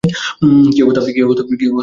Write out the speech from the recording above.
কী অবস্থা, পিটার?